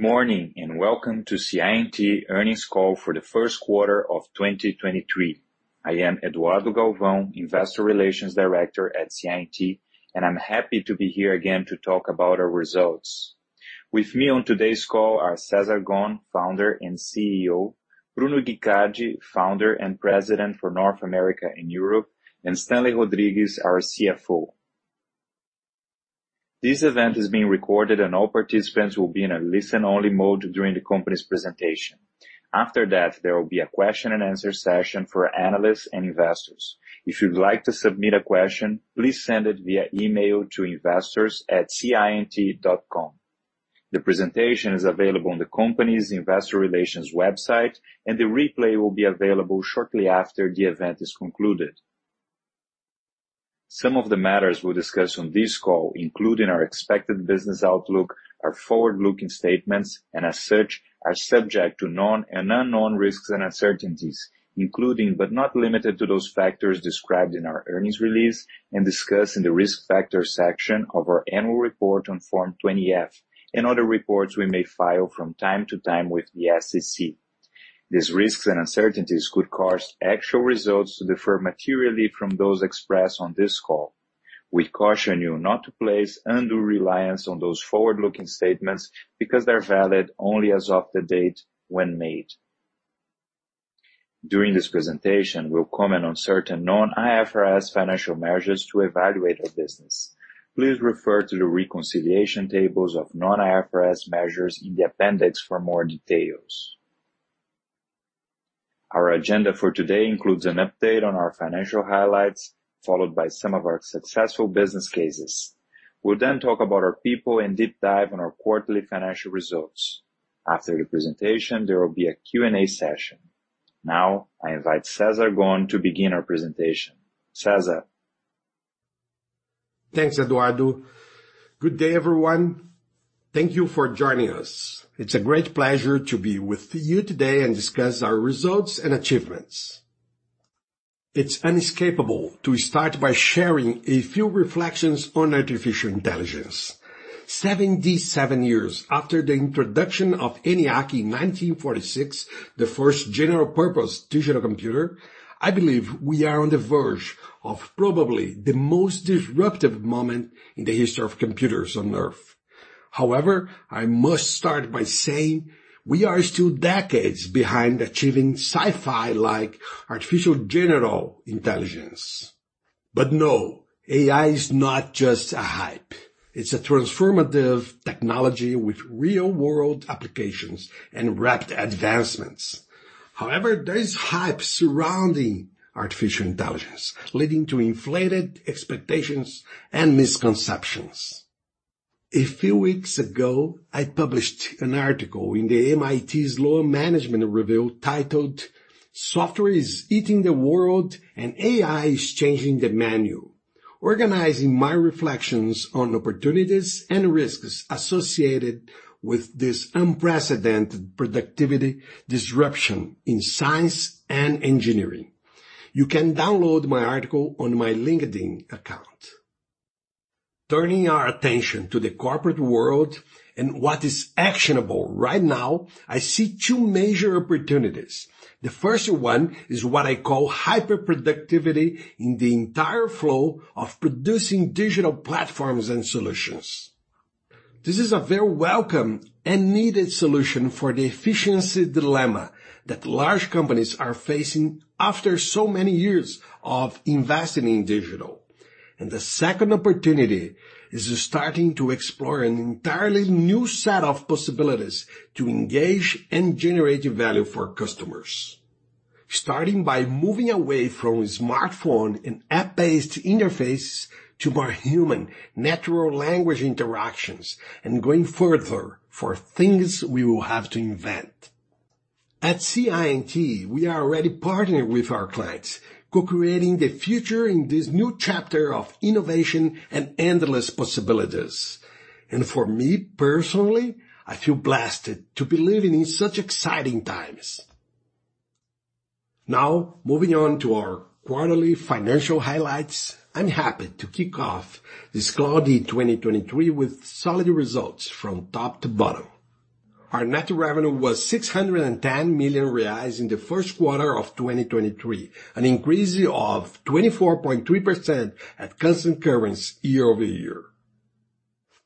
Good morning, and welcome to CI&T Earnings Call for the 1st quarter of 2023. I am Eduardo Galvao, Investor Relations Director at CI&T, and I'm happy to be here again to talk about our results. With me on today's call are Cesar Gon, Founder and CEO, Bruno Guicardi, Founder and President for North America and Europe, and Stanley Rodrigues, our CFO. This event is being recorded, and all participants will be in a listen-only mode during the company's presentation. After that, there will be a question-and-answer session for analysts and investors. If you'd like to submit a question, please send it via email to investors@ciandt.com. The presentation is available on the company's investor relations website, and the replay will be available shortly after the event is concluded. Some of the matters we'll discuss on this call, including our expected business outlook, are forward-looking statements and as such, are subject to known and unknown risks and uncertainties, including but not limited to those factors described in our earnings release and discussed in the Risk Factors section of our annual report on Form 20-F and other reports we may file from time to time with the SEC. These risks and uncertainties could cause actual results to differ materially from those expressed on this call. We caution you not to place undue reliance on those forward-looking statements because they're valid only as of the date when made. During this presentation, we'll comment on certain non-IFRS financial measures to evaluate our business. Please refer to the reconciliation tables of non-IFRS measures in the appendix for more details. Our agenda for today includes an update on our financial highlights, followed by some of our successful business cases. We'll then talk about our people and deep dive on our quarterly financial results. After the presentation, there will be a Q&A session. I invite Cesar Gon to begin our presentation. Cesar? Thanks, Eduardo. Good day, everyone. Thank you for joining us. It's a great pleasure to be with you today and discuss our results and achievements. It's inescapable to start by sharing a few reflections on artificial intelligence. 77 years after the introduction of ENIAC in 1946, the first general-purpose digital computer, I believe we are on the verge of probably the most disruptive moment in the history of computers on earth. I must start by saying we are still decades behind achieving sci-fi like artificial general intelligence. No, AI is not just a hype. It's a transformative technology with real-world applications and rapid advancements. There is hype surrounding artificial intelligence, leading to inflated expectations and misconceptions. A few weeks ago, I published an article in the MIT Sloan Management Review titled Software is Eating the World, and AI is Changing the Menu, organizing my reflections on opportunities and risks associated with this unprecedented productivity disruption in science and engineering. You can download my article on my LinkedIn account. Turning our attention to the corporate world and what is actionable right now, I see two major opportunities. The first one is what I call hyper-productivity in the entire flow of producing digital platforms and solutions. This is a very welcome and needed solution for the efficiency dilemma that large companies are facing after so many years of investing in digital. The second opportunity is starting to explore an entirely new set of possibilities to engage and generate value for customers, starting by moving away from smartphone and app-based interfaces to more human natural language interactions and going further for things we will have to invent. At CI&T, we are already partnering with our clients, co-creating the future in this new chapter of innovation and endless possibilities. For me, personally, I feel blessed to be living in such exciting times. Moving on to our quarterly financial highlights. I'm happy to kick off this cloudy 2023 with solid results from top to bottom. Our net revenue was 610 million reais in the first quarter of 2023, an increase of 24.3% at constant currency year-over-year.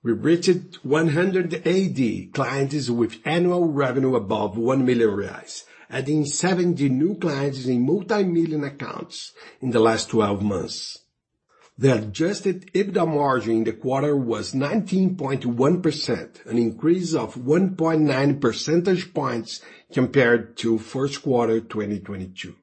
We reached 180 clients with annual revenue above 1 million reais, adding 70 new clients in multimillion accounts in the last 12 months. The adjusted EBITDA margin in the quarter was 19.1%, an increase of 1.9 percentage points compared to first quarter 2022.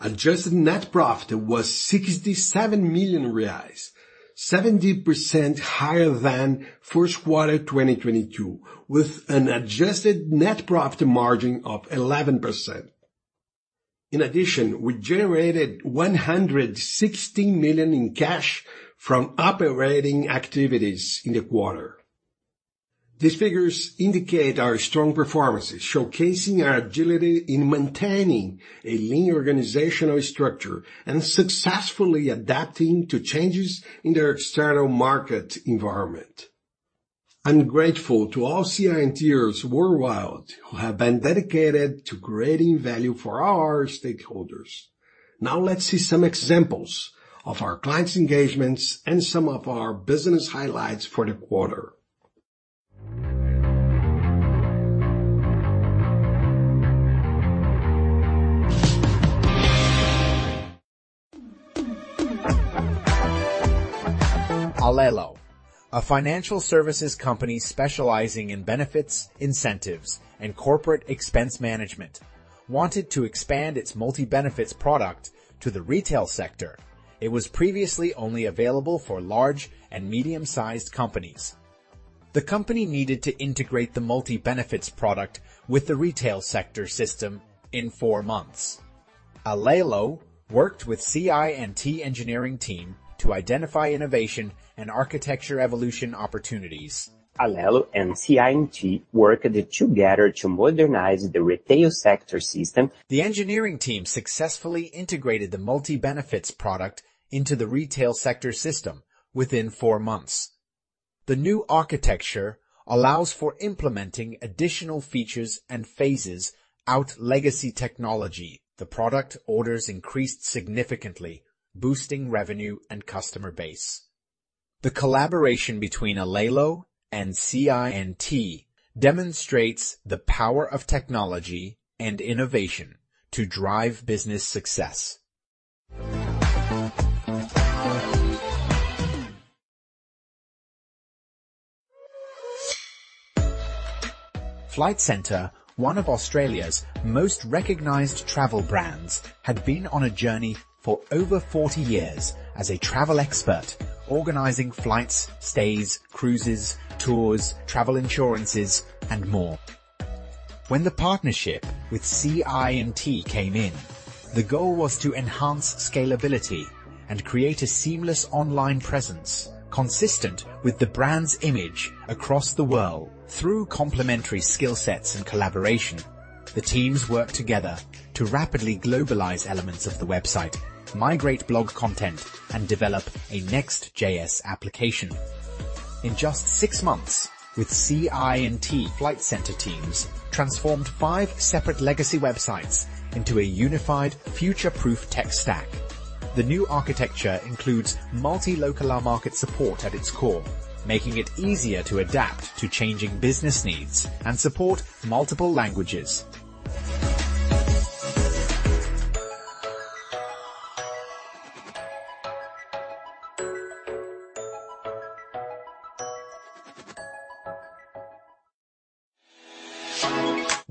Adjusted net profit was 67 million reais, 70% higher than first quarter 2022, with an adjusted net profit margin of 11%. We generated 160 million in cash from operating activities in the quarter. These figures indicate our strong performance, showcasing our agility in maintaining a lean organizational structure and successfully adapting to changes in the external market environment. I'm grateful to all CI&Ters worldwide who have been dedicated to creating value for our stakeholders. Now let's see some examples of our clients' engagements and some of our business highlights for the quarter. Alelo, a financial services company specializing in benefits, incentives, and corporate expense management, wanted to expand its multi-benefits product to the retail sector. It was previously only available for large and medium-sized companies. The company needed to integrate the multi-benefits product with the retail sector system in four months. Alelo worked with CI&T engineering team to identify innovation and architecture evolution opportunities. Alelo and CI&T worked together to modernize the retail sector system. The engineering team successfully integrated the multi-benefits product into the retail sector system within four months. The new architecture allows for implementing additional features and phases out legacy technology. The product orders increased significantly, boosting revenue and customer base. The collaboration between Alelo and CI&T demonstrates the power of technology and innovation to drive business success. Flight Centre, one of Australia's most recognized travel brands, had been on a journey for over 40 years as a travel expert, organizing flights, stays, cruises, tours, travel insurances, and more. When the partnership with CI&T came in, the goal was to enhance scalability and create a seamless online presence consistent with the brand's image across the world. Through complementary skill sets and collaboration, the teams worked together to rapidly globalize elements of the website, migrate blog content, and develop a Next.js application. In just six months with CI&T, Flight Centre teams transformed five separate legacy websites into a unified future-proof tech stack. The new architecture includes multi-local market support at its core, making it easier to adapt to changing business needs and support multiple languages.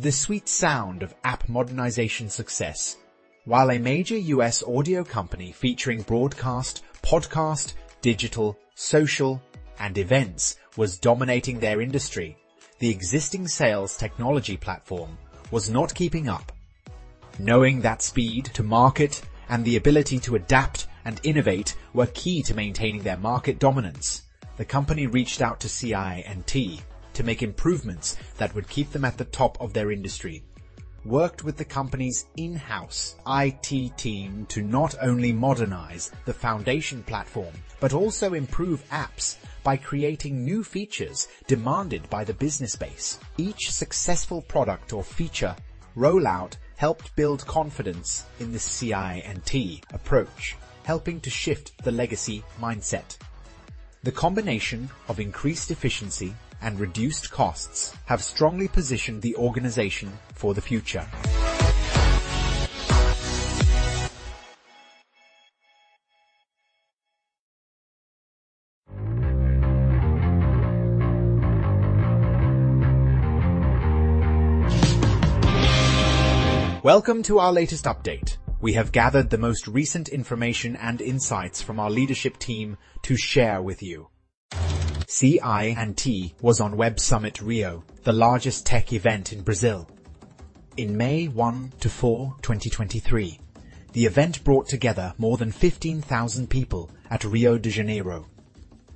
The sweet sound of app modernization success. While a major U.S. audio company featuring broadcast, podcast, digital, social, and events was dominating their industry, the existing sales technology platform was not keeping up. Knowing that speed to market and the ability to adapt and innovate were key to maintaining their market dominance, the company reached out to CI&T to make improvements that would keep them at the top of their industry. Worked with the company's in-house IT team to not only modernize the foundation platform but also improve apps by creating new features demanded by the business base. Each successful product or feature rollout helped build confidence in the CI&T approach, helping to shift the legacy mindset. The combination of increased efficiency and reduced costs have strongly positioned the organization for the future. Welcome to our latest update. We have gathered the most recent information and insights from our leadership team to share with you. CI&T was on Web Summit Rio, the largest tech event in Brazil. In May 1 to 4, 2023, the event brought together more than 15,000 people at Rio de Janeiro.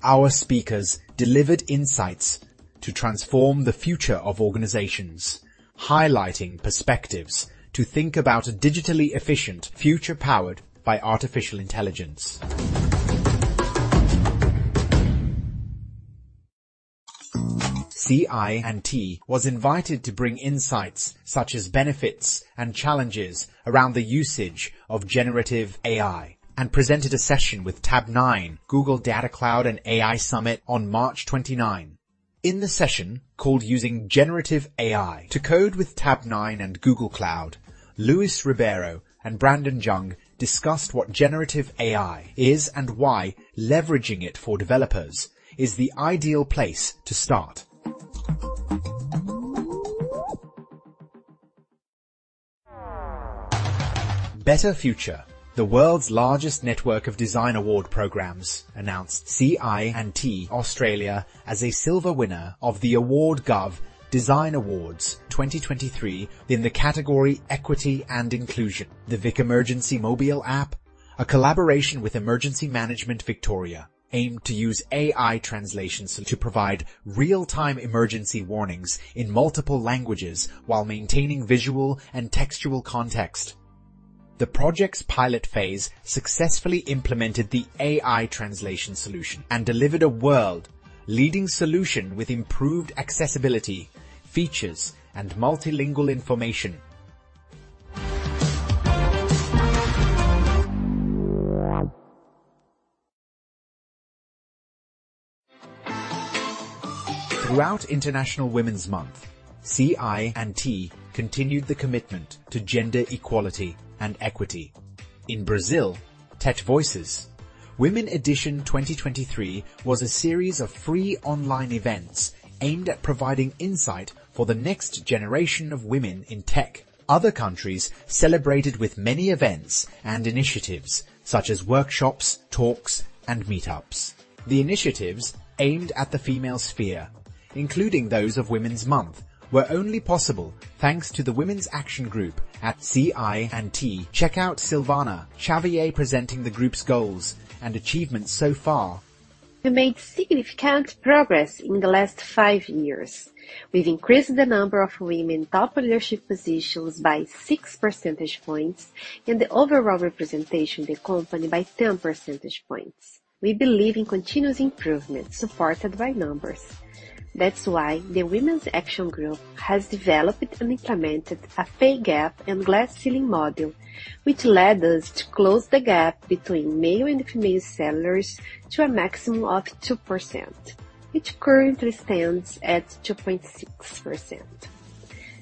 Our speakers delivered insights to transform the future of organizations, highlighting perspectives to think about a digitally efficient future powered by artificial intelligence. CI&T was invited to bring insights such as benefits and challenges around the usage of generative AI and presented a session with Tabnine, Google Data Cloud & AI Summit on March 29. In the session called Using generative AI to code with Tabnine and Google Cloud, Luis Ribeiro and Brandon Jung discussed what generative AI is and why leveraging it for developers is the ideal place to start. Better Future, the world's largest network of design award programs, announced CI&T Australia as a silver winner of the GOV Design Awards 2023 in the category Equity and Inclusion. The VicEmergency mobile app, a collaboration with Emergency Management Victoria, aimed to use AI translation to provide real-time emergency warnings in multiple languages while maintaining visual and textual context. The project's pilot phase successfully implemented the AI translation solution and delivered a world-leading solution with improved accessibility, features, and multilingual information. Throughout International Women's Month, CI&T continued the commitment to gender equality and equity. In Brazil, Tech Voices: Women Edition 2023 was a series of free online events aimed at providing insight for the next generation of women in tech. Other countries celebrated with many events and initiatives such as workshops, talks, and meetups. The initiatives aimed at the female sphere, including those of Women's Month, were only possible thanks to the Women's Action Group at CI&T. Check out Silvana Xavier presenting the group's goals and achievements so far. We made significant progress in the last five years. We've increased the number of women top leadership positions by 6 percentage points and the overall representation in the company by 10 percentage points. We believe in continuous improvement supported by numbers. That's why the Women's Action Group has developed and implemented a pay gap and glass ceiling model, which led us to close the gap between male and female salaries to a maximum of 2%, which currently stands at 2.6%.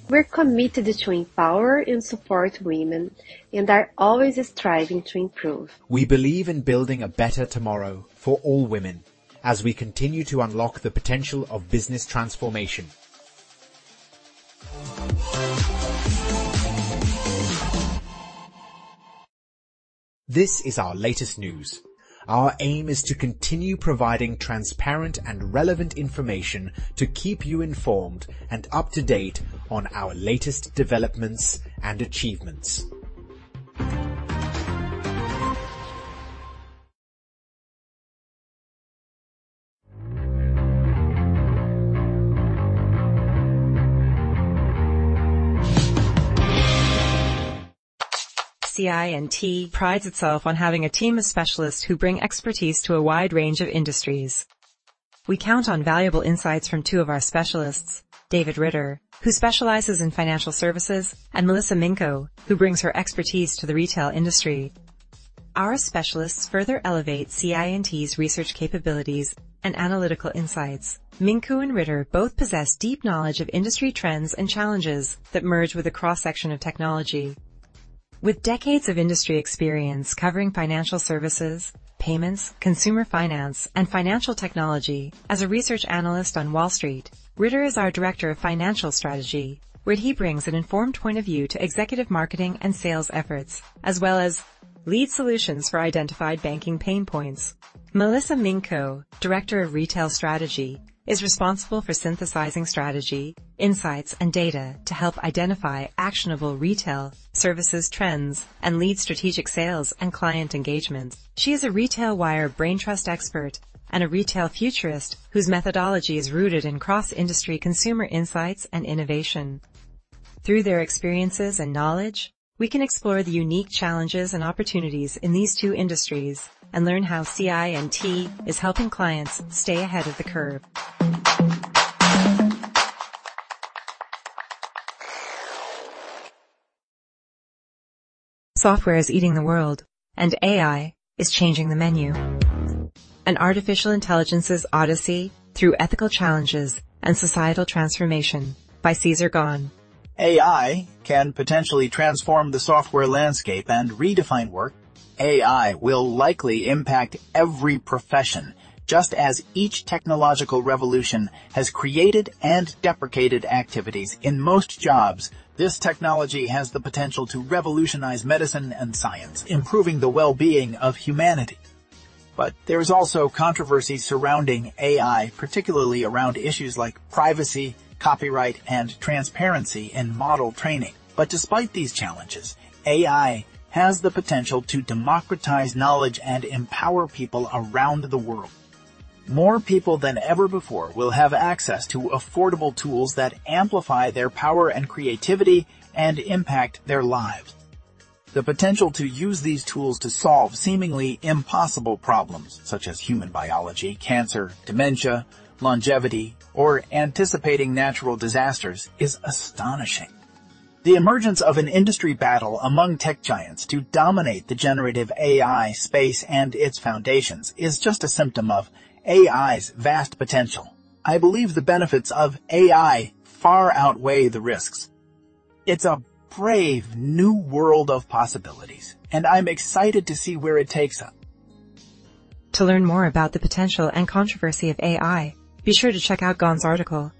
We're committed to empower and support women and are always striving to improve. We believe in building a better tomorrow for all women as we continue to unlock the potential of business transformation. This is our latest news. Our aim is to continue providing transparent and relevant information to keep you informed and up to date on our latest developments and achievements. CI&T prides itself on having a team of specialists who bring expertise to a wide range of industries. We count on valuable insights from two of our specialists, David Ritter, who specializes in financial services, and Melissa Minkow, who brings her expertise to the retail industry. Our specialists further elevate CI&T's research capabilities and analytical insights. Minko and Ritter both possess deep knowledge of industry trends and challenges that merge with a cross-section of technology. With decades of industry experience covering financial services, payments, consumer finance, and financial technology as a research analyst on Wall Street, Ritter is our director of financial strategy, where he brings an informed point of view to executive marketing and sales efforts, as well as lead solutions for identified banking pain points. Melissa Minkow, Director of Retail Strategy, is responsible for synthesizing strategy, insights, and data to help identify actionable retail services trends and lead strategic sales and client engagements. She is a RetailWire BrainTrust expert and a retail futurist whose methodology is rooted in cross-industry consumer insights and innovation. Through their experiences and knowledge, we can explore the unique challenges and opportunities in these two industries and learn how CI&T is helping clients stay ahead of the curve. Software is Eating the World, and AI is Changing the Menu. Artificial Intelligence's Odyssey Through Ethical Challenges and Societal Transformation by Cesar Gon. AI can potentially transform the software landscape and redefine work. AI will likely impact every profession, just as each technological revolution has created and deprecated activities. In most jobs, this technology has the potential to revolutionize medicine and science, improving the well-being of humanity. There is also controversy surrounding AI, particularly around issues like privacy, copyright, and transparency in model training. Despite these challenges, AI has the potential to democratize knowledge and empower people around the world. More people than ever before will have access to affordable tools that amplify their power and creativity and impact their lives. The potential to use these tools to solve seemingly impossible problems such as human biology, cancer, dementia, longevity, or anticipating natural disasters is astonishing. The emergence of an industry battle among tech giants to dominate the generative AI space and its foundations is just a symptom of AI's vast potential. I believe the benefits of AI far outweigh the risks. It's a brave new world of possibilities, and I'm excited to see where it takes us. To learn more about the potential and controversy of AI, be sure to check out Gon's article.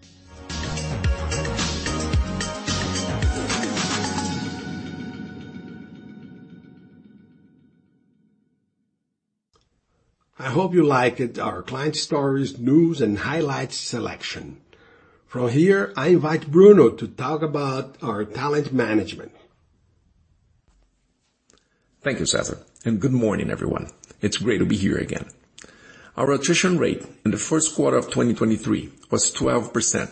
I hope you liked our client stories, news, and highlights selection. From here, I invite Bruno to talk about our talent management. Thank you, Cesar. Good morning, everyone. It's great to be here again. Our attrition rate in the first quarter of 2023 was 12%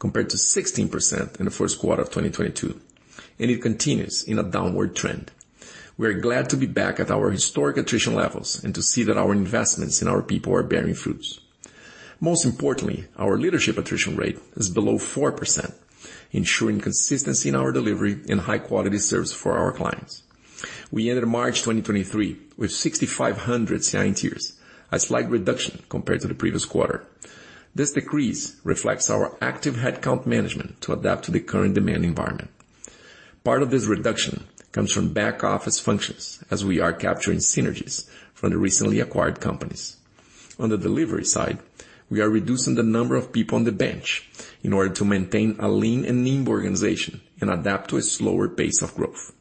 compared to 16% in the first quarter of 2022, and it continues in a downward trend. We are glad to be back at our historic attrition levels and to see that our investments in our people are bearing fruits. Most importantly, our leadership attrition rate is below 4%, ensuring consistency in our delivery and high quality service for our clients. We ended March 2023 with 6,500 scientists, a slight reduction compared to the previous quarter. This decrease reflects our active headcount management to adapt to the current demand environment. Part of this reduction comes from back office functions as we are capturing synergies from the recently acquired companies. On the delivery side, we are reducing the number of people on the bench in order to maintain a lean and nimble organization and adapt to a slower pace of growth.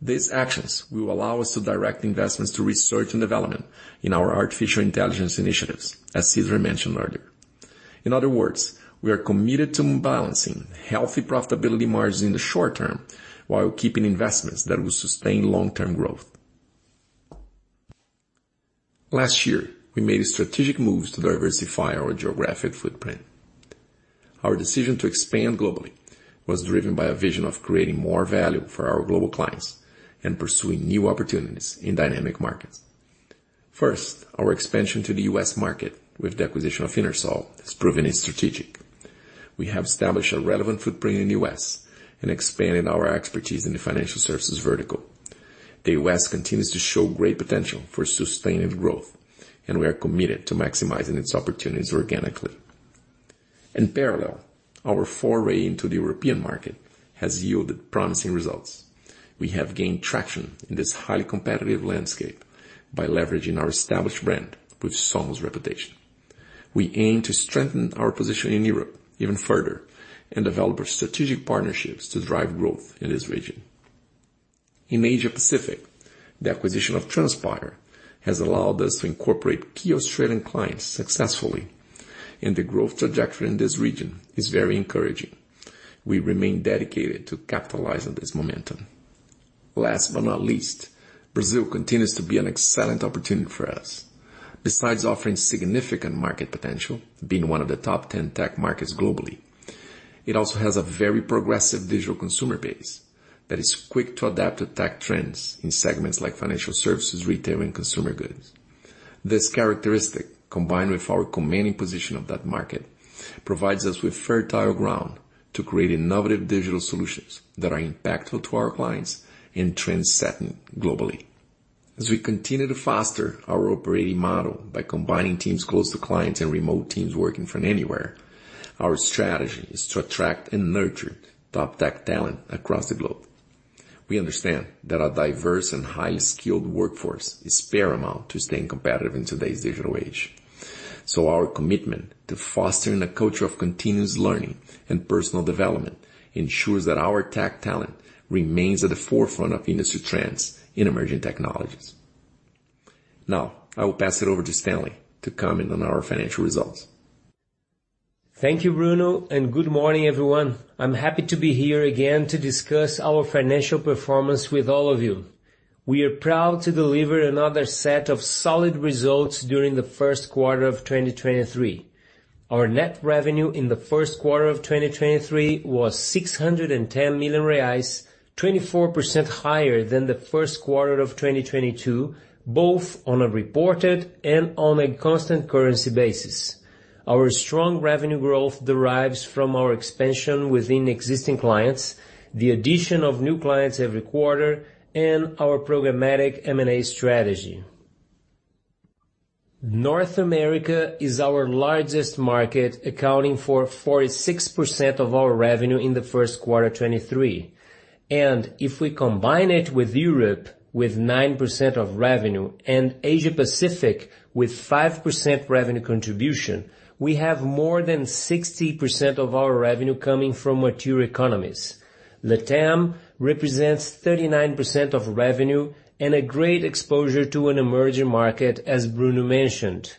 These actions will allow us to direct investments to research and development in our artificial intelligence initiatives, as Cesar Gon mentioned earlier. In other words, we are committed to balancing healthy profitability margins in the short term while keeping investments that will sustain long-term growth. Last year, we made strategic moves to diversify our geographic footprint. Our decision to expand globally was driven by a vision of creating more value for our global clients and pursuing new opportunities in dynamic markets. First, our expansion to the U.S. market with the acquisition of NTERSOL has proven its strategic. We have established a relevant footprint in the U.S. and expanded our expertise in the financial services vertical. The U.S. continues to show great potential for sustained growth, and we are committed to maximizing its opportunities organically. In parallel, our foray into the European market has yielded promising results. We have gained traction in this highly competitive landscape by leveraging our established brand with Somo's reputation. We aim to strengthen our position in Europe even further and develop strategic partnerships to drive growth in this region. In Asia-Pacific, the acquisition of Transpire has allowed us to incorporate key Australian clients successfully, and the growth trajectory in this region is very encouraging. We remain dedicated to capitalizing this momentum. Last but not least, Brazil continues to be an excellent opportunity for us. Besides offering significant market potential, being one of the top 10 tech markets globally, it also has a very progressive digital consumer base that is quick to adapt to tech trends in segments like financial services, retail, and consumer goods. This characteristic, combined with our commanding position of that market, provides us with fertile ground to create innovative digital solutions that are impactful to our clients and trend setting globally. As we continue to foster our operating model by combining teams close to clients and remote teams working from anywhere, our strategy is to attract and nurture top tech talent across the globe. We understand that a diverse and highly skilled workforce is paramount to staying competitive in today's digital age. Our commitment to fostering a culture of continuous learning and personal development ensures that our tech talent remains at the forefront of industry trends in emerging technologies. Now I will pass it over to Stanley to comment on our financial results. Thank you, Bruno. Good morning, everyone. I'm happy to be here again to discuss our financial performance with all of you. We are proud to deliver another set of solid results during the first quarter of 2023. Our net revenue in the first quarter of 2023 was 610 million reais, 24% higher than the first quarter of 2022, both on a reported and on a constant currency basis. Our strong revenue growth derives from our expansion within existing clients, the addition of new clients every quarter, and our programmatic M&A strategy. North America is our largest market, accounting for 46% of our revenue in the first quarter of 2023. If we combine it with Europe with 9% of revenue and Asia-Pacific with 5% revenue contribution, we have more than 60% of our revenue coming from mature economies. Latam represents 39% of revenue and a great exposure to an emerging market, as Bruno mentioned.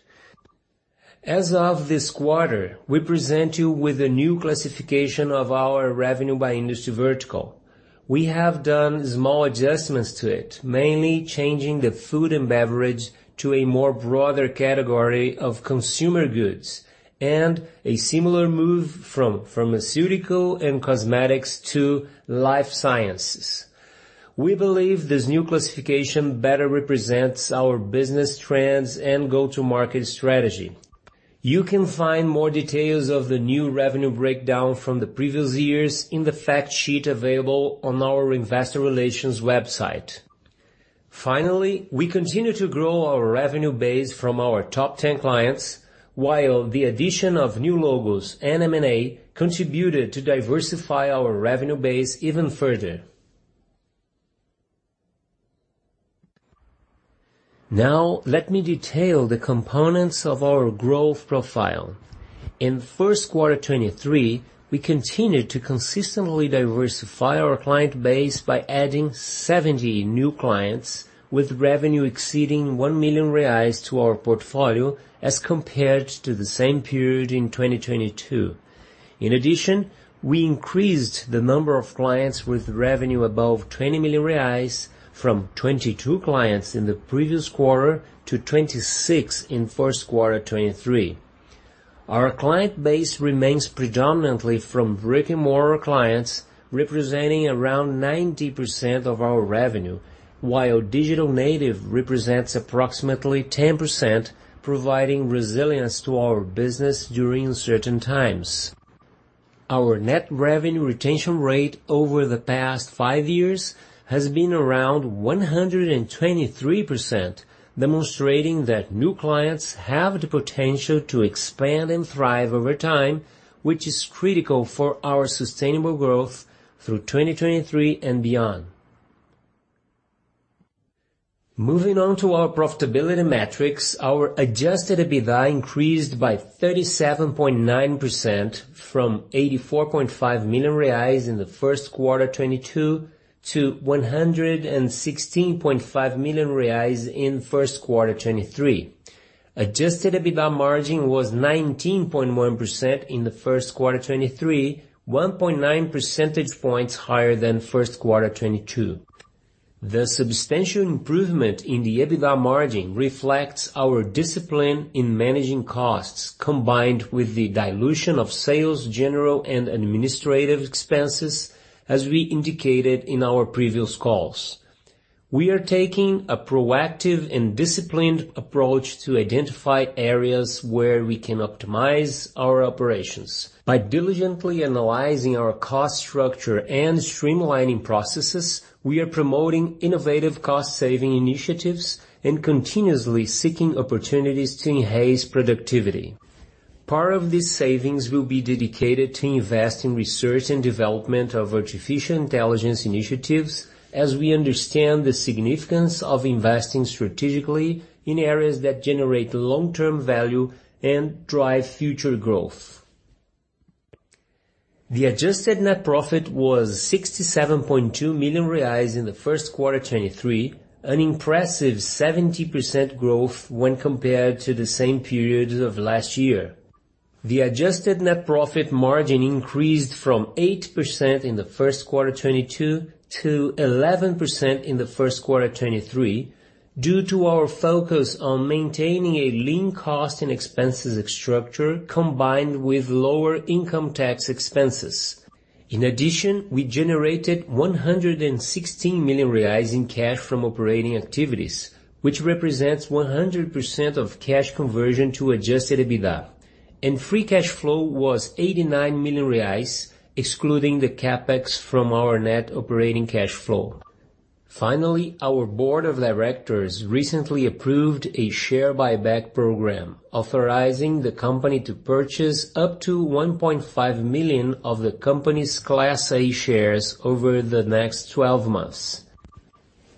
As of this quarter, we present you with a new classification of our revenue by industry vertical. We have done small adjustments to it, mainly changing the food and beverage to a more broader category of consumer goods and a similar move from pharmaceutical and cosmetics to life sciences. We believe this new classification better represents our business trends and go-to-market strategy. You can find more details of the new revenue breakdown from the previous years in the fact sheet available on our investor relations website. Finally, we continue to grow our revenue base from our top 10 clients, while the addition of new logos and M&A contributed to diversify our revenue base even further. Let me detail the components of our growth profile. In first quarter 2023, we continued to consistently diversify our client base by adding 70 new clients with revenue exceeding 1 million reais to our portfolio as compared to the same period in 2022. We increased the number of clients with revenue above 20 million reais from 22 clients in the previous quarter to 26 in first quarter 2023. Our client base remains predominantly from brick-and-mortar clients representing around 90% of our revenue, while digital native represents approximately 10%, providing resilience to our business during certain times. Our net revenue retention rate over the past five years has been around 123%, demonstrating that new clients have the potential to expand and thrive over time, which is critical for our sustainable growth through 2023 and beyond. Moving on to our profitability metrics, our adjusted EBITDA increased by 37.9% from 84.5 million reais in the first quarter 2022 to 116.5 million reais in first quarter 2023. Adjusted EBITDA margin was 19.1% in the first quarter 2023, 1.9 percentage points higher than first quarter 2022. The substantial improvement in the EBITDA margin reflects our discipline in managing costs, combined with the dilution of sales, general, and administrative expenses, as we indicated in our previous calls. We are taking a proactive and disciplined approach to identify areas where we can optimize our operations. By diligently analyzing our cost structure and streamlining processes, we are promoting innovative cost-saving initiatives and continuously seeking opportunities to enhance productivity. Part of these savings will be dedicated to invest in R&D of artificial intelligence initiatives as we understand the significance of investing strategically in areas that generate long-term value and drive future growth. The adjusted net profit was 67.2 million reais in the first quarter 2023, an impressive 70% growth when compared to the same period of last year. The adjusted net profit margin increased from 8% in the first quarter 2022 to 11% in the first quarter 2023 due to our focus on maintaining a lean cost and expenses structure combined with lower income tax expenses. We generated 116 million reais in cash from operating activities, which represents 100% of cash conversion to adjusted EBITDA. Free cash flow was 89 million reais, excluding the CapEx from our net operating cash flow. Our board of directors recently approved a share buyback program authorizing the company to purchase up to 1.5 million of the company's Class A shares over the next 12 months.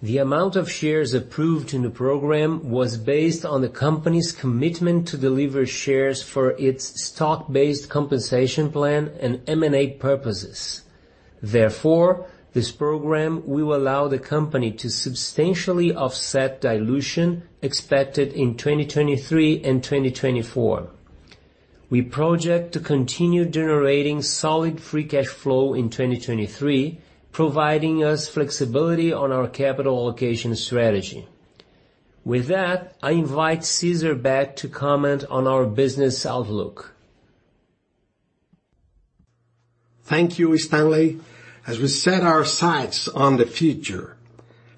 The amount of shares approved in the program was based on the company's commitment to deliver shares for its stock-based compensation plan and M&A purposes. This program will allow the company to substantially offset dilution expected in 2023 and 2024. We project to continue generating solid free cash flow in 2023, providing us flexibility on our capital allocation strategy. I invite Cesar back to comment on our business outlook. Thank you, Stanley. As we set our sights on the future,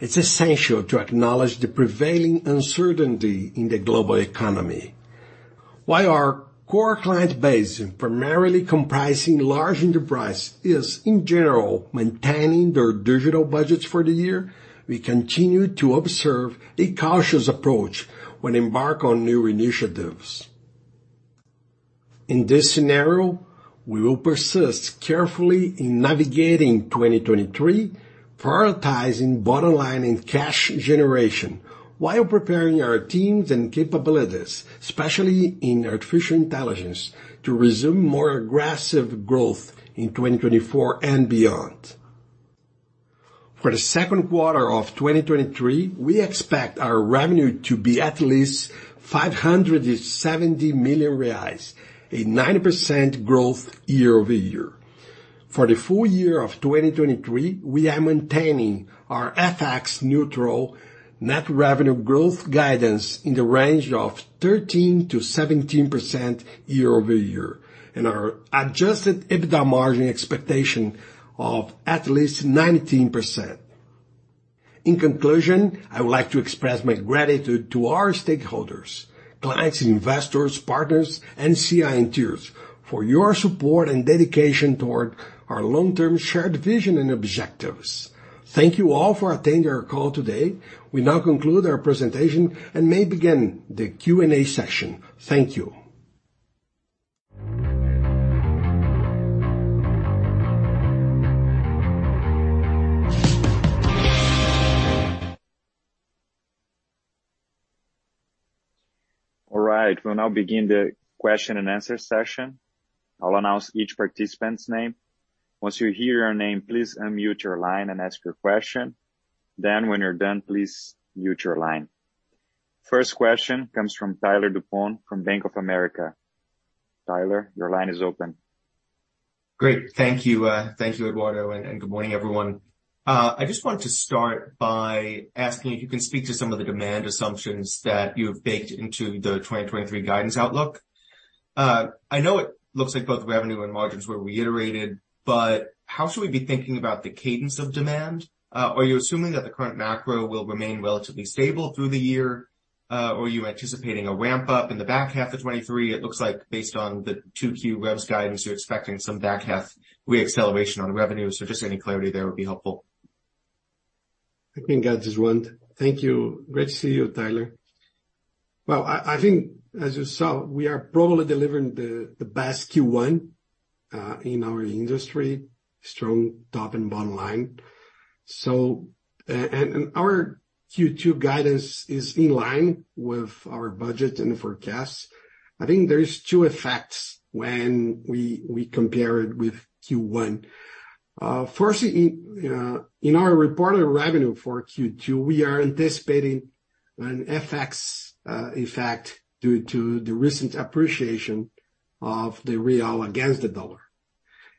it's essential to acknowledge the prevailing uncertainty in the global economy. While our core client base, primarily comprising large enterprise, is, in general, maintaining their digital budgets for the year, we continue to observe a cautious approach when embark on new initiatives. In this scenario, we will persist carefully in navigating 2023, prioritizing bottom line and cash generation while preparing our teams and capabilities, especially in artificial intelligence, to resume more aggressive growth in 2024 and beyond. For the second quarter of 2023, we expect our revenue to be at least 570 million reais, a 90% growth year-over-year. For the full year of 2023, we are maintaining our FX neutral net revenue growth guidance in the range of 13%-17% year-over-year and our adjusted EBITDA margin expectation of at least 19%. In conclusion, I would like to express my gratitude to our stakeholders, clients, investors, partners, and CI interiors for your support and dedication toward our long-term shared vision and objectives. Thank you all for attending our call today. We now conclude our presentation and may begin the Q&A session. Thank you. All right. We'll now begin the question and answer session. I'll announce each participant's name. Once you hear your name, please unmute your line and ask your question. Then when you're done, please mute your line. First question comes from Tyler DuPont from Bank of America. Tyler, your line is open. Great. Thank you. Thank you, Eduardo. Good morning, everyone. I just want to start by asking if you can speak to some of the demand assumptions that you have baked into the 2023 guidance outlook. I know it looks like both revenue and margins were reiterated, but how should we be thinking about the cadence of demand? Are you assuming that the current macro will remain relatively stable through the year? Or are you anticipating a ramp-up in the back half of 2023? It looks like based on the 2Q revs guidance, you're expecting some back half re-acceleration on revenue. Just any clarity there would be helpful. I can get this one. Thank you. Great to see you, Tyler. I think as you saw, we are probably delivering the best Q1 in our industry, strong top and bottom line. Our Q2 guidance is in line with our budget and the forecast. I think there's two effects when we compare it with Q1. Firstly, in our reported revenue for Q2, we are anticipating an FX effect due to the recent appreciation of the real against the dollar.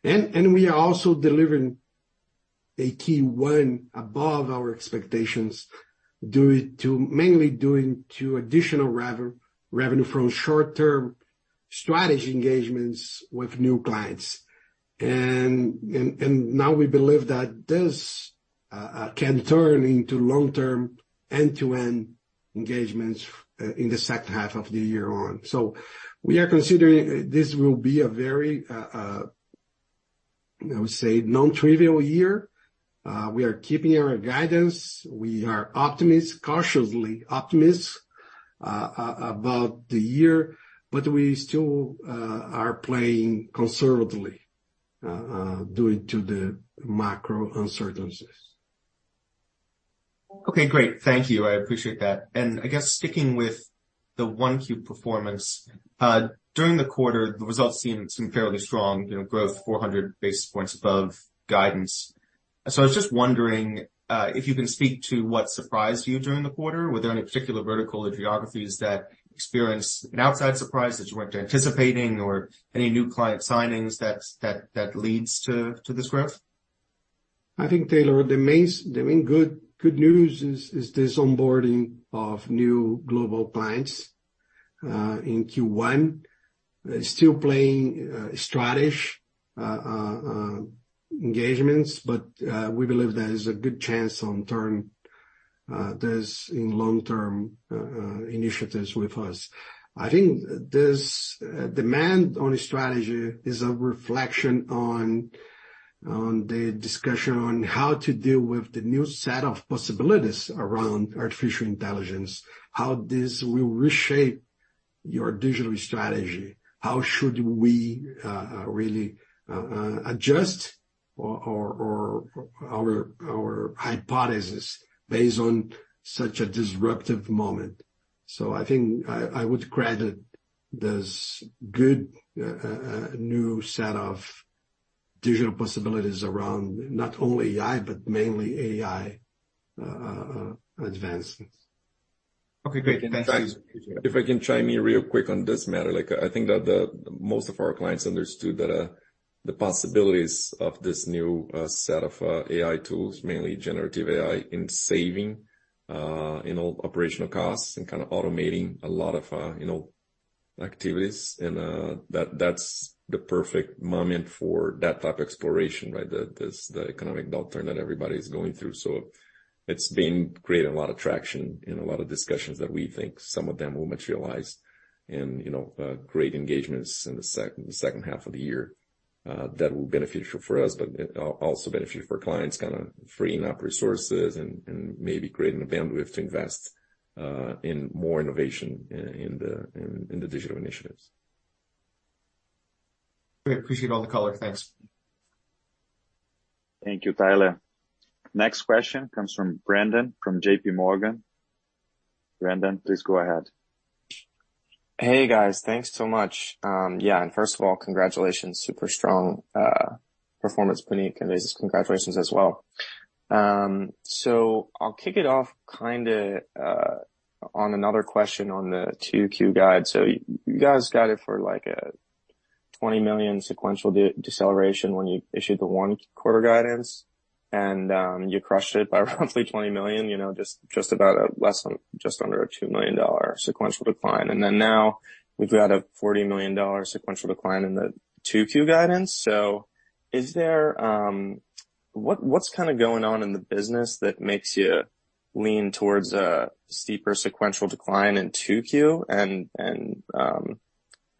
We are also delivering a Q1 above our expectations mainly due to additional revenue from short-term strategy engagements with new clients. Now we believe that this can turn into long-term end-to-end engagements in the second half of the year on. We are considering this will be a very, I would say, non-trivial year. We are keeping our guidance. We are cautiously optimist about the year, but we still are playing conservatively due to the macro uncertainties. Okay, great. Thank you. I appreciate that. I guess sticking with the 1Q performance, during the quarter, the results seemed fairly strong, you know, growth 400 basis points above guidance. I was just wondering, if you can speak to what surprised you during the quarter. Were there any particular vertical or geographies that experienced an outsize surprise that you weren't anticipating or any new client signings that leads to this growth? I think, Tyler, the main good news is this onboarding of new global clients in Q1. Still playing engagements, but we believe there is a good chance on turn this in long-term initiatives with us. I think this demand on strategy is a reflection on the discussion on how to deal with the new set of possibilities around artificial intelligence, how this will reshape your digital strategy, how should we really adjust or our hypothesis based on such a disruptive moment. I think I would credit this good new set of digital possibilities around not only AI, but mainly AI advancements. Okay, great. Thank you. If I can chime in real quick on this matter. Like, I think that the most of our clients understood that the possibilities of this new set of AI tools, mainly generative AI in saving, you know, operational costs and kinda automating a lot of, you know, activities. That's the perfect moment for that type of exploration, right? The economic downturn that everybody's going through. It's been creating a lot of traction in a lot of discussions that we think some of them will materialize and, you know, create engagements in the second half of the year, that will beneficial for us, but also beneficial for clients, kinda freeing up resources and maybe creating the bandwidth to invest in more innovation in the digital initiatives. Great. Appreciate all the color. Thanks. Thank you, Tyler. Next question comes from Brandon, from JPMorgan. Brandon, please go ahead. Hey, guys. Thanks so much. Yeah. First of all, congratulations. Super strong performance, Puneet and Jesus. Congratulations as well. I'll kick it off kinda on another question on the 2Q guide. You guys guided for, like, a $20 million sequential deceleration when you issued the one quarter guidance, and you crushed it by roughly $20 million, you know, just under a $2 million sequential decline. Now we've got a $40 million sequential decline in the 2Q guidance. Is there... What, what's kinda going on in the business that makes you lean towards a steeper sequential decline in 2Q?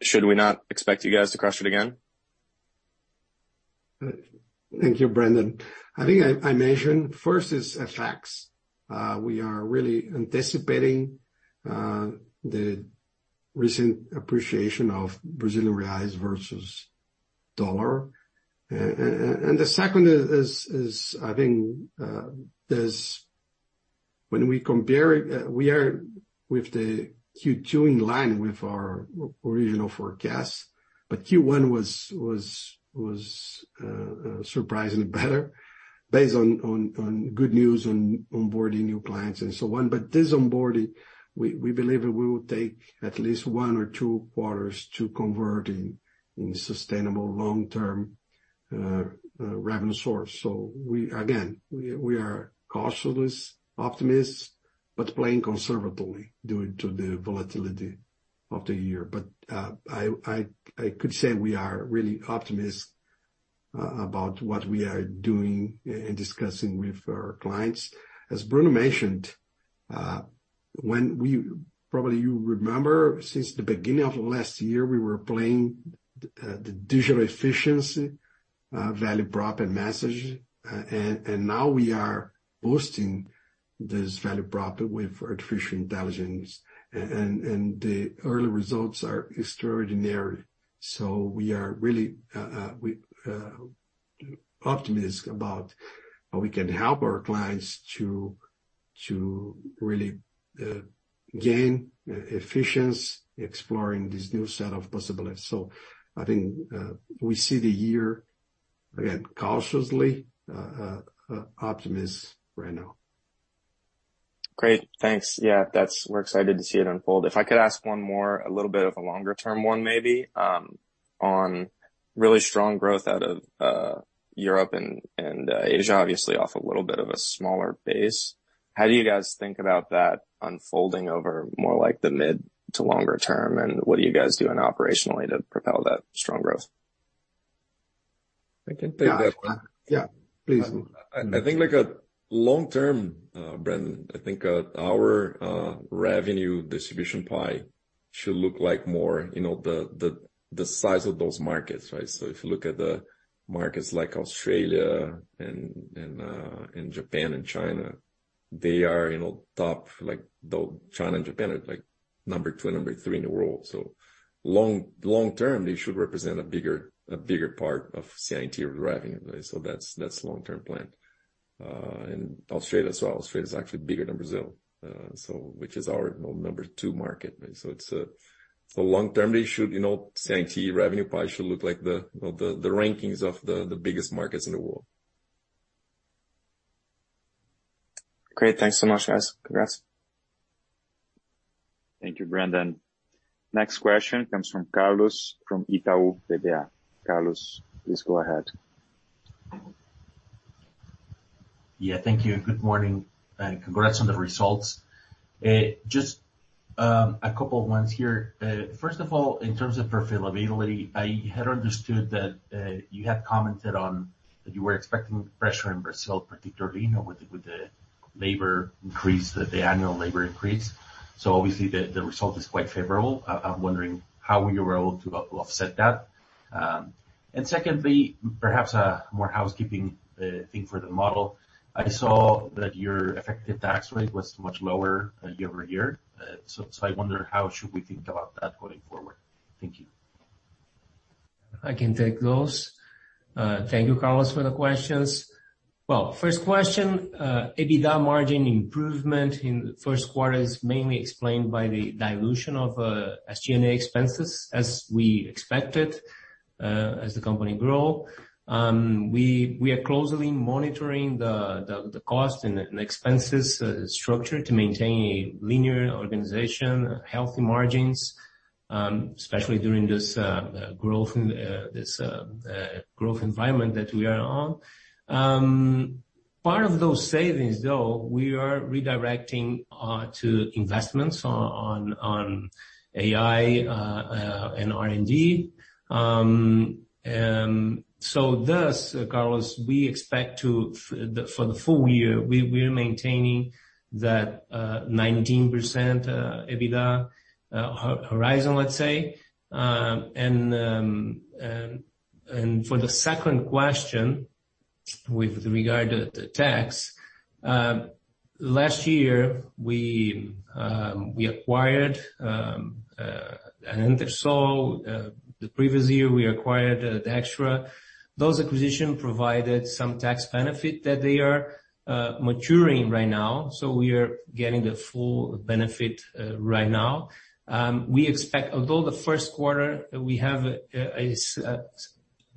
Should we not expect you guys to crush it again? Thank you, Brandon. I think I mentioned first is FX. We are really anticipating the recent appreciation of Brazilian reais versus dollar. And the second is, I think, when we compare it, we are with the Q2 in line with our original forecast, but Q1 was surprisingly better based on good news on onboarding new clients and so on. This onboarding, we believe it will take at least one or two quarters to convert in sustainable long-term- Revenue source. Again, we are cautious optimists, but playing conservatively due to the volatility of the year. I could say we are really optimistic about what we are doing and discussing with our clients. As Bruno mentioned, probably you remember since the beginning of last year, we were playing the digital efficiency value prop and message. And now we are boosting this value prop with artificial intelligence. And the early results are extraordinary. We are really optimistic about how we can help our clients to really gain efficiency, exploring this new set of possibilities. I think we see the year, again, cautiously optimistic right now. Great. Thanks. Yeah, that's We're excited to see it unfold. If I could ask one more, a little bit of a longer-term one maybe, on really strong growth out of Europe and Asia, obviously off a little bit of a smaller base. How do you guys think about that unfolding over more like the mid to longer term? What are you guys doing operationally to propel that strong growth? I can take that one. Yeah. Yeah. Please. I think like a long-term, Brandon, I think our revenue distribution pie should look like more, you know, the, the size of those markets, right? If you look at the markets like Australia and Japan and China, they are, you know, top, though China and Japan are like number two and number three in the world. Long term, they should represent a bigger part of CI&T revenue. That's long-term plan. Australia as well. Australia is actually bigger than Brazil, so which is our, you know, number two market. For long term, they should, you know, CI&T revenue probably should look like the, well, the rankings of the biggest markets in the world. Great. Thanks so much, guys. Congrats. Thank you, Brandon. Next question comes from Carlos from Itaú BBA. Carlos, please go ahead. Yeah, thank you. Good morning, congrats on the results. Just a couple of ones here. First of all, in terms of profitability, I had understood that you had commented on that you were expecting pressure in Brazil, particularly, you know, with the labor increase, the annual labor increase. Obviously the result is quite favorable. I'm wondering how you were able to offset that. Secondly, perhaps a more housekeeping thing for the model. I saw that your effective tax rate was much lower year-over-year. I wonder how should we think about that going forward. Thank you. I can take those. Thank you, Carlos, for the questions. First question, EBITDA margin improvement in the first quarter is mainly explained by the dilution of SG&A expenses, as we expected, as the company grow. We are closely monitoring the cost and expenses structure to maintain a linear organization, healthy margins, especially during this growth environment that we are on. Part of those savings, though, we are redirecting to investments on AI and R&D. Thus, Carlos, we expect for the full year, we are maintaining that 19% EBITDA horizon, let's say. For the second question with regard to tax, last year, we acquired Andressol. The previous year, we acquired Daxtra. Those acquisition provided some tax benefit that they are maturing right now, so we are getting the full benefit right now. We expect although the first quarter we have a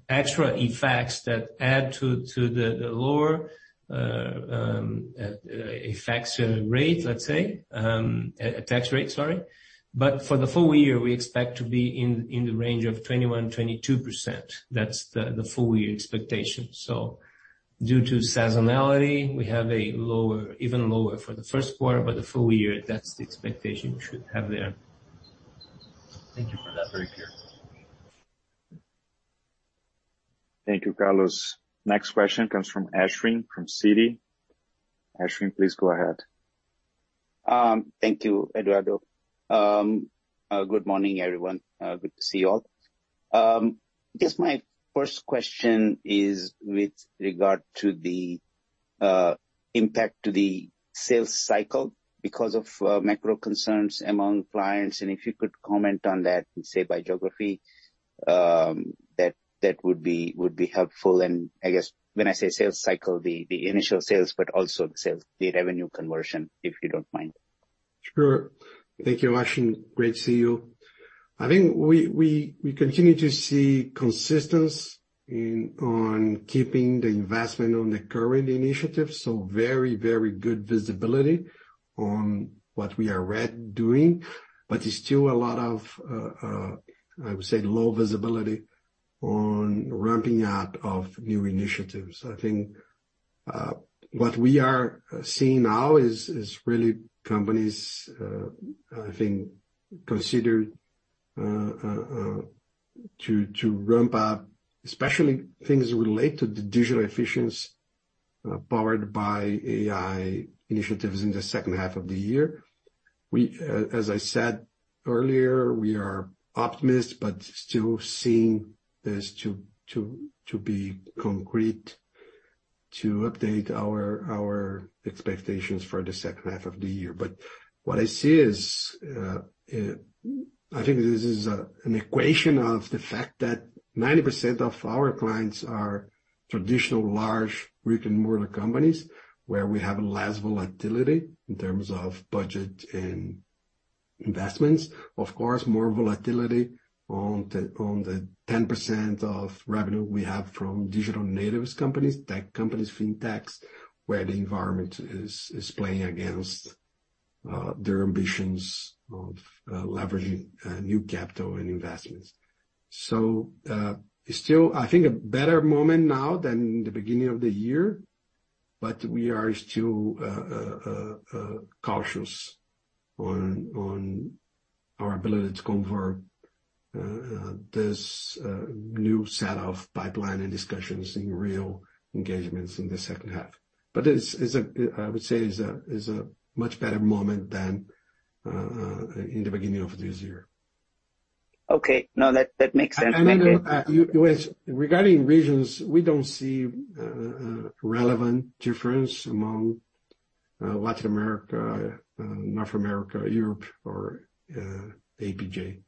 extra effects that add to the lower effects rate, let's say, a tax rate, sorry. For the full year, we expect to be in the range of 21%-22%. That's the full year expectation. Due to seasonality, we have a lower, even lower for the first quarter, but the full year, that's the expectation we should have there. Thank you for that. Very clear. Thank you, Carlos. Next question comes from Ashwin from Citi. Ashwin, please go ahead. Thank you, Eduardo. Good morning, everyone. Good to see you all. I guess my first question is with regard to the impact to the sales cycle because of macro concerns among clients. If you could comment on that, say by geography, that would be helpful. I guess when I say sales cycle, the initial sales, but also the sales, the revenue conversion, if you don't mind. Sure. Thank you, Ashwin. Great to see you. I think we continue to see consistency in, on keeping the investment on the current initiatives. Very, very good visibility on what we are already doing. There's still a lot of, I would say low visibility on ramping up of new initiatives. I think. What we are seeing now is really companies, I think consider to ramp up, especially things related to digital efficiency, powered by AI initiatives in the second half of the year. We, as I said earlier, we are optimist but still seeing this to be concrete to update our expectations for the second half of the year. What I see is, I think this is an equation of the fact that 90% of our clients are traditional large brick-and-mortar companies where we have less volatility in terms of budget and investments. Of course, more volatility on the 10% of revenue we have from digital natives companies, tech companies, fintechs, where the environment is playing against their ambitions of leveraging new capital and investments. Still, I think a better moment now than the beginning of the year, but we are still cautious on our ability to convert this new set of pipeline and discussions in real engagements in the second half. It's, I would say is a much better moment than in the beginning of this year. Okay. No, that makes sense. Thank you. Regarding regions, we don't see relevant difference among Latin America, North America, Europe or APJ. Okay. Okay.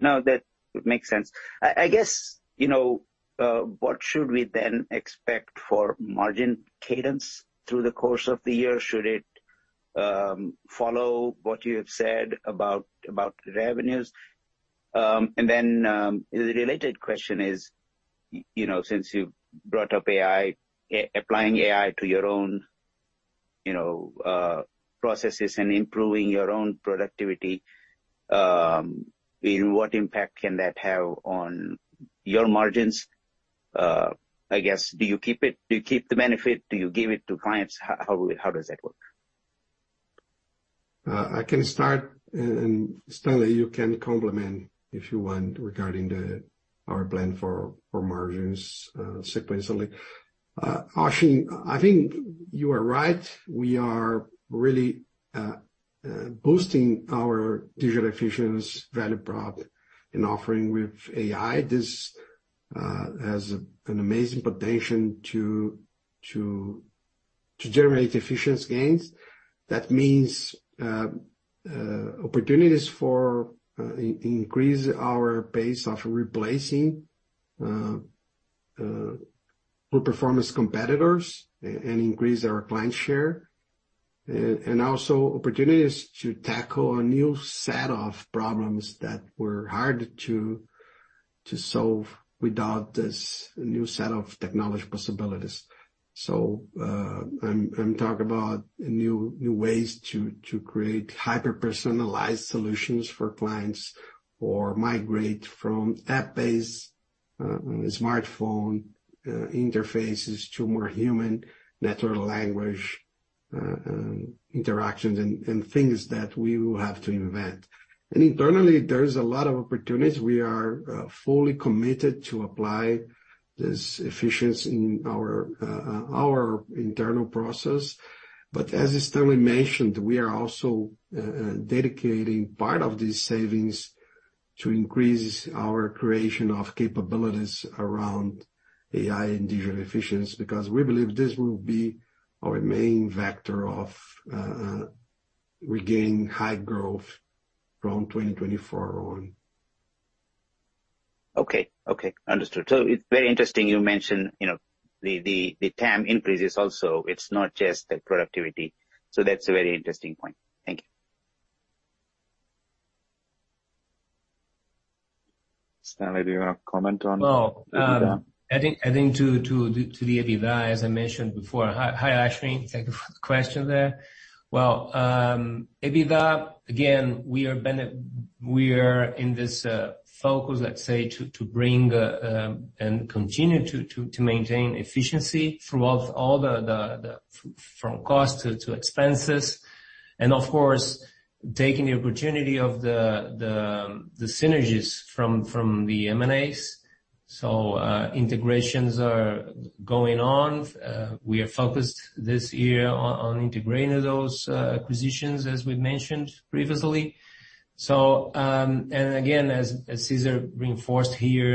No, that makes sense. I guess, you know, what should we then expect for margin cadence through the course of the year? Should it follow what you have said about revenues? The related question is, you know, since you've brought up AI, applying AI to your own, you know, processes and improving your own productivity, what impact can that have on your margins? I guess, do you keep it? Do you keep the benefit? Do you give it to clients? How does that work? I can start and Stanley, you can complement if you want regarding our plan for margins sequentially. Ashwi, I think you are right. We are really boosting our digital efficiency value prop in offering with AI. This has an amazing potential to generate efficiency gains. That means opportunities for increase our pace of replacing poor performance competitors and increase our client share. Also opportunities to tackle a new set of problems that were hard to solve without this new set of technology possibilities. I'm talking about new ways to create hyper-personalized solutions for clients or migrate from app-based smartphone interfaces to more human natural language interactions and things that we will have to invent. Internally, there is a lot of opportunities. We are fully committed to apply this efficiency in our internal process. As Stanley mentioned, we are also dedicating part of these savings to increase our creation of capabilities around AI and digital efficiency, because we believe this will be our main vector of regaining high growth from 2024 on. Okay. Okay. Understood. It's very interesting you mentioned, you know, the, the TAM increases also. It's not just the productivity. That's a very interesting point. Thank you. Stanley, do you want to comment? No. I think to the EBITDA, as I mentioned before. Hi, Ashwin. Thank you for the question there. EBITDA, again, we are in this focus, let's say, to bring and continue to maintain efficiency throughout all the from cost to expenses. Of course, taking the opportunity of the synergies from the M&As. Integrations are going on. We are focused this year on integrating those acquisitions, as we mentioned previously. Again, as Cesar Gon reinforced here,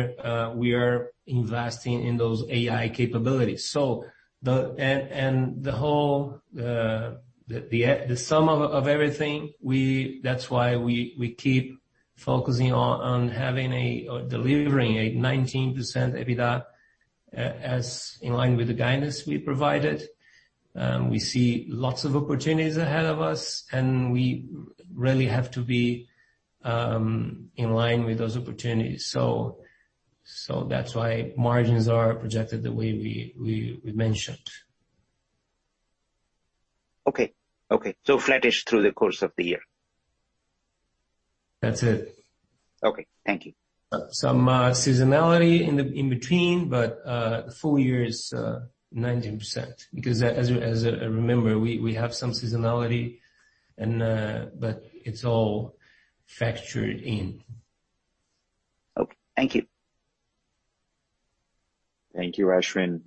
we are investing in those AI capabilities. The whole sum of everything, that's why we keep focusing on having or delivering a 19% EBITDA as in line with the guidance we provided. We see lots of opportunities ahead of us, and we really have to be in line with those opportunities. That's why margins are projected the way we mentioned. Okay. Okay, flattish through the course of the year. That's it. Okay, thank you. Some seasonality in the, in between, but full year is 19% because as I remember, we have some seasonality and, but it's all factored in. Okay, thank you. Thank you, Ashwin.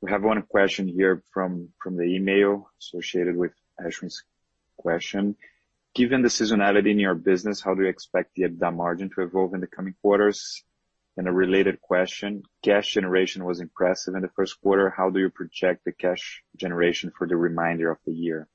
We have one question here from the email associated with Ashwin's question. Given the seasonality in your business, how do you expect the EBITDA margin to evolve in the coming quarters? A related question, cash generation was impressive in the first quarter. How do you project the cash generation for the remainder of the year?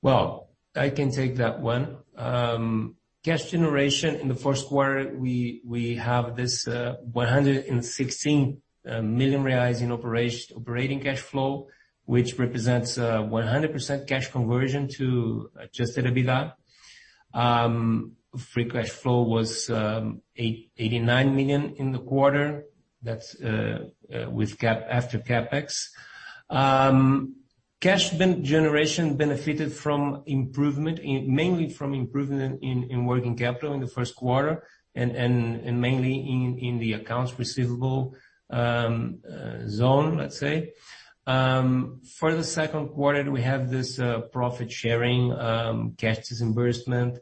Well, I can take that one. Cash generation in the first quarter, we have this 116 million reais in operating cash flow, which represents 100% cash conversion to adjusted EBITDA. Free cash flow was 89 million in the quarter. That's after CapEx. Cash generation benefited mainly from improvement in working capital in the first quarter and mainly in the accounts receivable zone, let's say. For the second quarter, we have this profit sharing cash disbursement.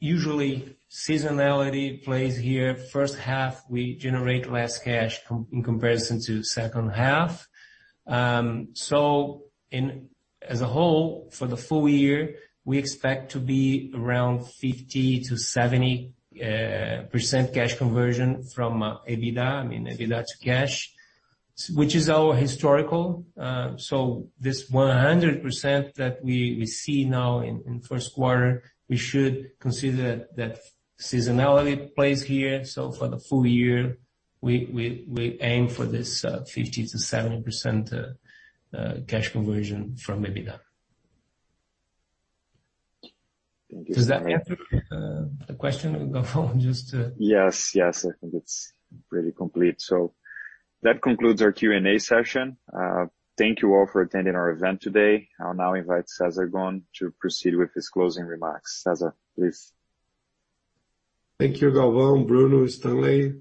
Usually seasonality plays here. First half, we generate less cash in comparison to second half. As a whole, for the full year, we expect to be around 50%-70% cash conversion from EBITDA, I mean, EBITDA to cash, which is our historical. This 100% that we see now in first quarter, we should consider that seasonality plays here. For the full year, we aim for this 50%-70% cash conversion from EBITDA. Thank you. Does that answer the question, Galvão? Yes. Yes, I think it is pretty complete. That concludes our Q&A session. Thank you all for attending our event today. I will now invite Cesar Gon to proceed with his closing remarks. Cesar, please. Thank you, Galvão, Bruno, Stanley.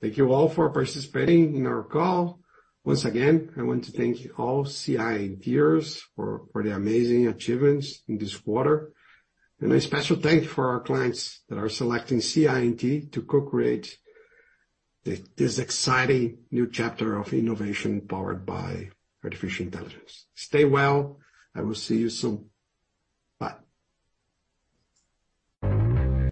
Thank you all for participating in our call. Once again, I want to thank all CI&Ters for the amazing achievements in this quarter. A special thank for our clients that are selecting CI&T to co-create this exciting new chapter of innovation powered by artificial intelligence. Stay well, I will see you soon. Bye.